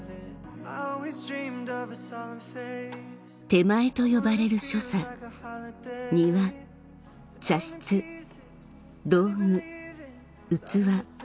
点前と呼ばれる所作庭茶室道具器